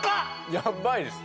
やっばいです